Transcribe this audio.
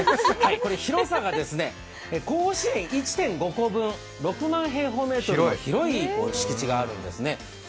広さが甲子園１．５個分、６万平方メートルの広い敷地があるんですね。